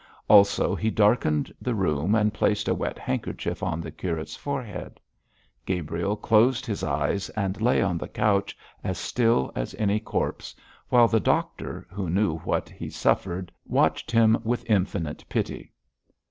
Also, he darkened the room, and placed a wet handkerchief on the curate's forehead. Gabriel closed his eyes, and lay on the couch as still as any corpse, while the doctor, who knew what he suffered, watched him with infinite pity.